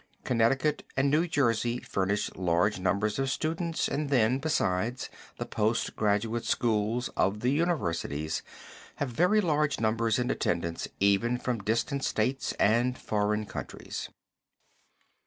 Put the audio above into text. Connecticut and New Jersey furnish large numbers of students and then, besides, the post graduate schools of the universities have very large numbers in attendance even from distant states and foreign countries.